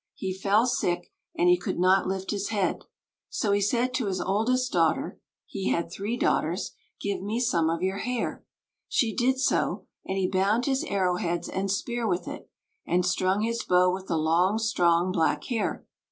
He fell sick, and he could not lift his head; so he said to his oldest daughter (he had three daughters), 'Give me some of your hair.' She did so, and he bound his arrowheads and spear with it, and strung his bow with the long, strong black hair.